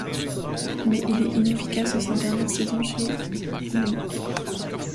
Mais il est inefficace à sa dernière saison chez les Mets.